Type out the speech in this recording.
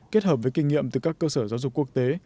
kết hợp với kinh nghiệm từ các cơ sở giáo dục quốc tế